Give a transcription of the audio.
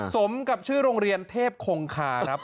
สมกับชื่อโรงเรียนเทพคงคาครับ